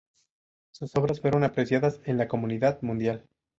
Sus obras fueron apreciadas en la comunidad mundial.